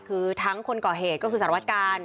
คือทั้งคนก่อเหตุก็คือสารวัตกาล